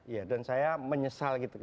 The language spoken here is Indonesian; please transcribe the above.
iya dan saya menyesal gitu gitu